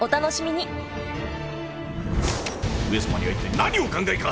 上様には一体何をお考えか。